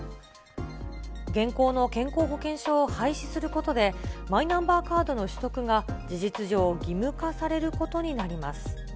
現行の健康保険証を廃止することで、マイナンバーカードの取得が事実上、義務化されることになります。